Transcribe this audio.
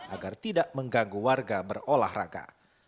agar tidak mengganggu warga berolahraga